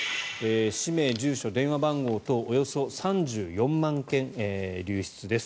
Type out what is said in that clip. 氏名、住所、電話番号等およそ３４万件流出です。